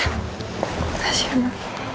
terima kasih mama